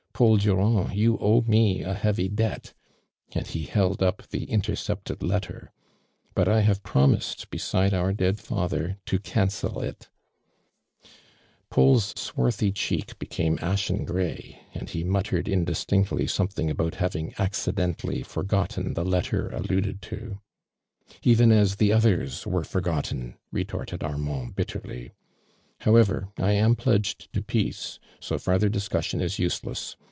Paid Durand, you owe me a heavy debt," and he held up the intercepted lett< r, "but 1 have pro mised beside our dead father to cancel it ." Paul's swarthy cheek became ashen gray, and he muttered hidistinctly something about having accidentally forgotten the loiter alluded to. •Even as the others were forgotten!" retorted Armand, bitterly. "However,! am pledged to peace, so farther discussion is useless.